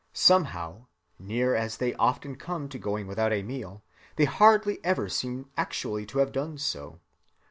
Somehow, near as they often come to going without a meal, they hardly ever seem actually to have done so.